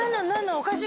おかしい